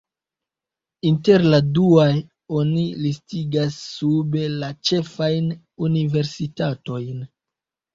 Inter la duaj oni listigas sube la ĉefajn universitatojn.